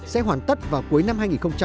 sẽ hoàn tất vào cuối năm hai nghìn hai mươi